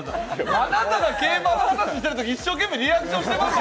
あなたが競馬の話してるとき一生懸命リアクションしてますよ。